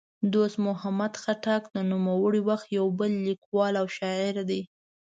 دوست محمد خټک د نوموړي وخت یو بل لیکوال او شاعر دی.